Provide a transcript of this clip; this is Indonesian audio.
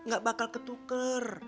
gak bakal ketuker